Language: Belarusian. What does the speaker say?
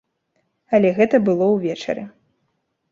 Але гэта было ўвечары.